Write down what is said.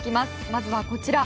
まずは、こちら。